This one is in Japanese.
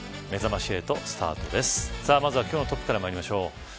まずは今日のトップからまいりましょう。